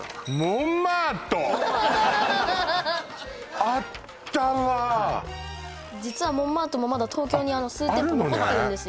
モンマートあったわ実はモンマートもまだ東京に数店舗残ってるんですよ